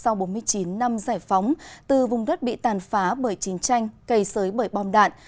người dân sau bốn mươi chín năm giải phóng từ vùng đất bị tàn phá bởi chiến tranh cày xới bởi bom đạn